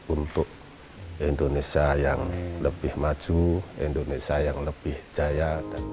untuk indonesia yang lebih maju indonesia yang lebih jaya